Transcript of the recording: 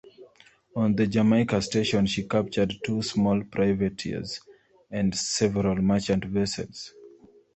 On the Jamaica station she captured two small privateers and several merchant vessels.